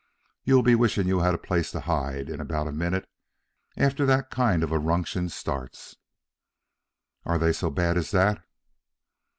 You'll be wishing you had a place to hide, in about a minute after that kind of a ruction starts." "Are they so bad as that?"